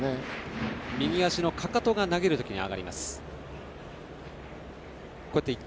右足のかかとが投げるときに上がります。